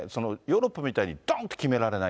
ヨーロッパみたいにどんと決めら